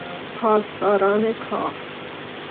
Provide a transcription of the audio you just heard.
پاسداران کاخ